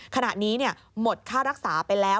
ขณะนี้หมดค่ารักษาไปแล้ว